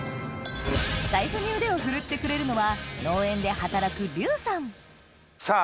最初に腕を振るってくれるのは農園で働くさぁ